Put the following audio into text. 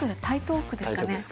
台東区ですかね